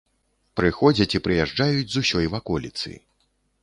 Прыходзяць і прыязджаюць з усёй ваколіцы.